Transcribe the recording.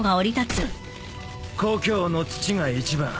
故郷の土が一番。